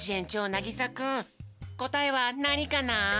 なぎさくんこたえはなにかな？